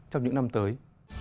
trong những năm tới